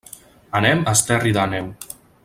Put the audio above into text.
Anem a Esterri d'Àneu.